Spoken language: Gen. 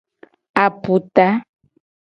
Aputa.